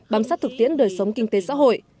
bám sát thực tiễn đời sống kinh tế xã hội